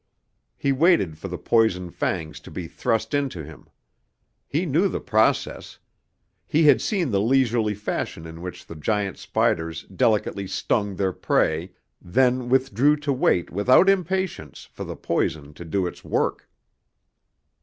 He waited for the poison fangs to be thrust into him. He knew the process. He had seen the leisurely fashion in which the giant spiders delicately stung their prey, then withdrew to wait without impatience for the poison to do its work.